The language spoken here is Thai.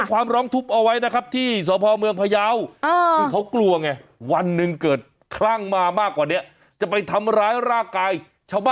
ว่าไงล่ะไปแจ้งความร้องทุบเอาไว้นะครับ